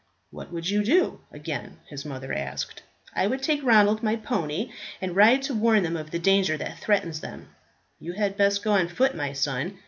"What would you do?" again his mother asked. "I would take Ronald my pony and ride to warn them of the danger that threatens." "You had best go on foot, my son.